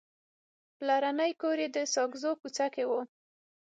پلرنی کور یې په ساګزو کوڅه کې و.